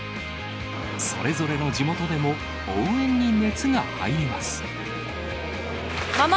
それぞれの地元でも、応援に熱が入ります。